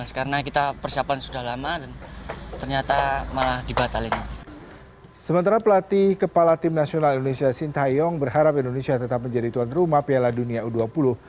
sementara pelatih kepala tim nasional indonesia sintayong berharap indonesia tetap menjadi tuan rumah piala dunia u dua puluh